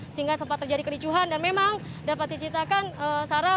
sehingga sempat terjadi kericuhan dan memang dapat diceritakan sarah